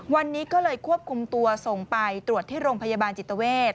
วันนี้ก็เลยควบคุมตัวส่งไปตรวจที่โรงพยาบาลจิตเวท